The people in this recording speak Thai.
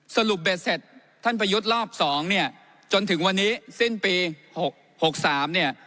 สรุปเบ็ดเสร็จท่านประยุทธ์รอบ๒จนถึงวันนี้สิ้นปี๖๓